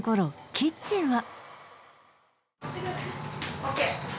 キッチンは・ＯＫ・